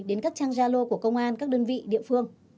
đến các trang gia lô của công an các đơn vị địa phương